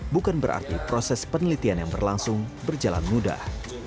bukan berarti proses penelitian yang berlangsung berjalan mudah